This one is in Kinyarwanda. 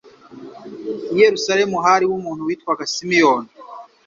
I Yerusalemu hariho umuntu witwaga Simeyoni.